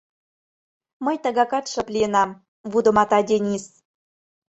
— Мый тыгакат шып лийынам... — вудымата Денис.